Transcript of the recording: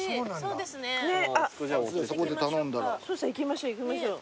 生野さん行きましょう行きましょう。